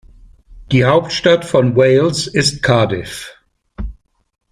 Die Hauptstadt von Wales ist Cardiff.